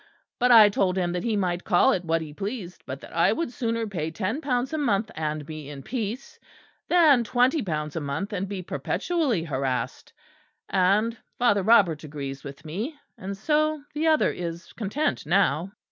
But I told him that he might call it what he pleased, but that I would sooner pay ten pounds a month and be in peace, than twenty pounds a month and be perpetually harassed: and Father Robert agrees with me, and so the other is content now."